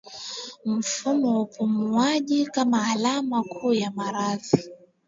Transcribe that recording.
Mfumo wa upumuaji kama alama kuu ya maradhi